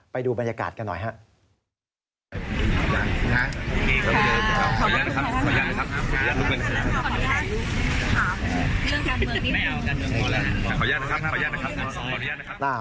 ไปดูบรรยากาศกันหน่อยครับ